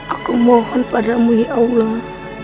aku mohon padamu ya allah